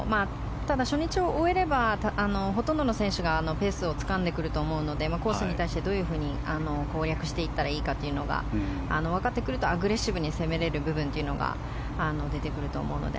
ただ、初日を終えればほとんどの選手がペースをつかんでくると思うのでコースに対してどういうふうに攻略していったらいいかが分かってくるとアグレッシブに攻められる部分が出てくると思うので。